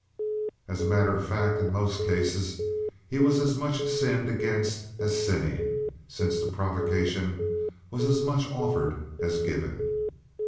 As a matter of fact, in most cases he was as much sinned against as sinning, since the provocation was as much offered as given.